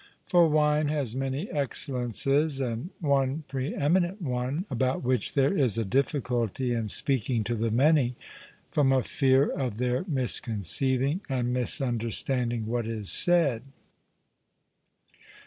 For wine has many excellences, and one pre eminent one, about which there is a difficulty in speaking to the many, from a fear of their misconceiving and misunderstanding what is said.